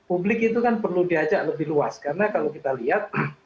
publik itu kan perlu diajak lebih luas karena kalau kita lihat